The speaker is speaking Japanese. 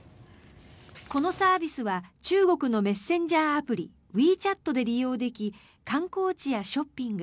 このサービスは中国のメッセンジャーアプリＷｅＣｈａｔで利用でき観光地やショッピング